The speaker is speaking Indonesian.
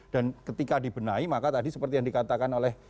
dan ketika dibenahi maka tadi seperti yang dikatakan oleh